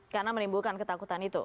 karena menimbulkan ketakutan itu